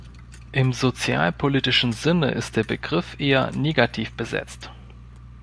Im sozialpolitischen Sinne ist der Begriff eher negativ besetzt.